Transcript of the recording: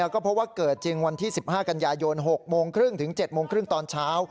ก็เพราะว่าเกิดจริงวันที่๑๕กันยายน๖๓๐๗๓๐ตอนเช้า